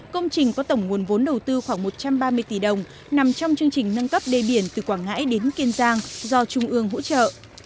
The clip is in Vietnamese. công trình có tổng nguồn vốn đầu tư khoảng một trăm ba mươi tỷ đồng nằm trong chương trình nâng cấp đê biển từ quảng ngãi đến kiên giang do trung ương hỗ trợ